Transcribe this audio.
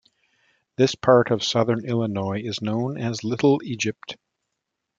This part of southern Illinois is known as Little Egypt.